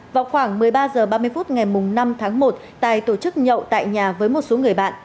vào khoảng một mươi ba h ba mươi phút ngày năm tháng một tài tổ chức nhậu tại nhà với một số người bạn